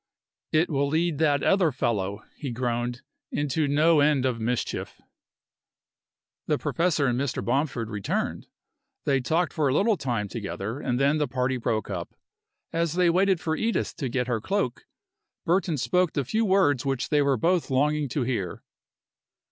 "It will lead that other fellow," he groaned, "into no end of mischief." The professor and Mr. Bomford returned. They talked for a little time together and then the party broke up. As they waited for Edith to get her cloak, Burton spoke the few words which they were both longing to hear.